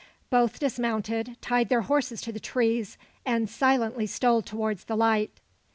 Both dismounted, tied their horses to the trees, and silently stole towards the light.